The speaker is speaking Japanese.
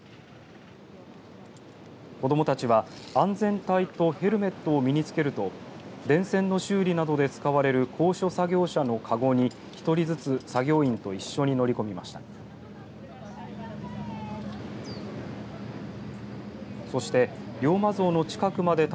子どもたちは安全帯とヘルメットを身につけると電線の修理などで使われる高所作業車のかごに１人ずつ、作業員と一緒に乗り込みました。